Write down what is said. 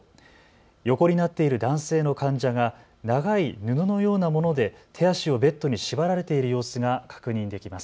横になっている男性の患者が長い布のようなもので手足をベッドに縛られている様子が確認できます。